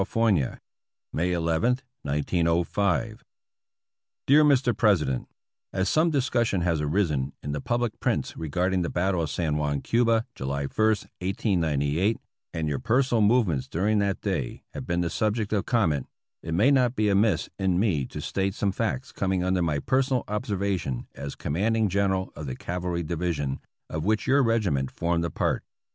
May II, 1905. Dear Mr. President : As some discussion has arisen in tlie public prints regarding the battle of San Juan, Cuba, July I, 1898, and your personal movements during that day have been the subject of comment, it may not be amiss in me to state some facts coming under my personal obser vation as Commanding General of the Cavalry Division, of which your regiment formed a part.